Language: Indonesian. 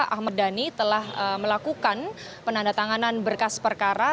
ahmad dhani telah melakukan penandatanganan berkas perkara